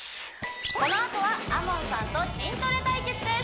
このあとはＡＭＯＮさんと筋トレ対決です